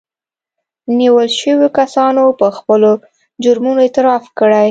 نيول شويو کسانو په خپلو جرمونو اعتراف کړی